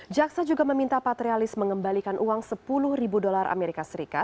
jaksa juga meminta patrialis mengembalikan uang sepuluh ribu dolar as